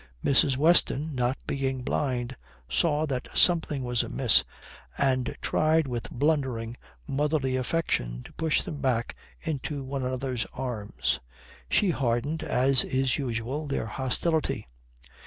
Mrs. Weston, not being blind, saw that something was amiss and tried with blundering motherly affection to push them back into one another's arms. She hardened, as is usual, their hostility.